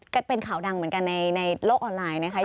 ก็เป็นข่าวดังเหมือนกันในโลกออนไลน์นะคะ